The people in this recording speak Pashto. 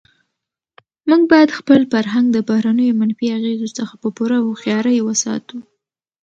موږ باید خپل فرهنګ د بهرنیو منفي اغېزو څخه په پوره هوښیارۍ وساتو.